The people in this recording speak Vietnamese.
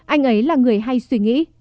anh ấy là người hay suy nghĩ